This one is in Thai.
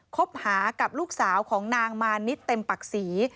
คบหากับลูกสาวของนางมานิดเต็มปักศรี